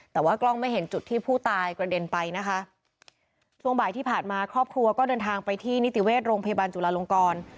แต่ว่ากล้องไม่เห็นจุดที่ผู้ตายกระเด็นไปนะคะช่วงบ่ายที่ผ่านมาครอบครัวก็เดินทางไปที่นิติเวชโรงพยาบาลจุลาลงกร